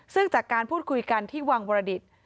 ซึ่งจากการพูดคุยกันที่วังวรดิต